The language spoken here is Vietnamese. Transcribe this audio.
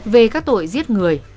về các tội giết người